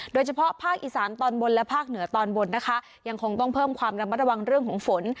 โดยเฉพาะภาคอีสานตอนบนและภาคเหนือตอนบนนะคะยังคงต้องเพิ่มความระมัดระวังเรื่องของฝน